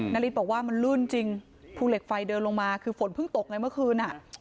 นาริสบอกว่ามันลื่นจริงภูเหล็กไฟเดินลงมาคือฝนเพิ่งตกไงเมื่อคืนอ่ะ